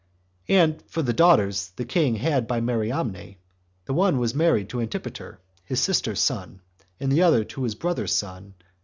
And for the daughters the king had by Mariamne, the one was married to Antipater, his sister's son, and the other to his brother's son, Phasaelus.